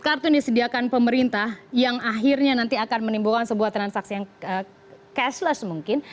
kartu yang disediakan pemerintah yang akhirnya nanti akan menimbulkan sebuah transaksi yang cashless mungkin